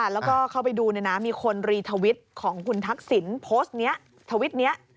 แล้วก็เข้าไปดูมีคนรีทวิตของคุณทักษิณโพสต์นี้ทวิตนี้